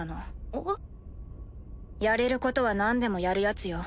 えっ？やれることはなんでもやるヤツよ。